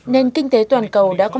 nền kinh tế toàn cầu đã có